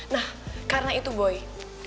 nah karena itu boy